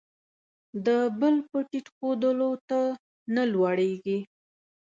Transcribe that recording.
د بل په ټیټ ښودلو، ته نه لوړېږې.